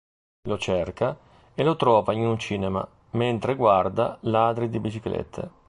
Lo cerca e lo trova in un cinema, mentre guarda "Ladri di biciclette".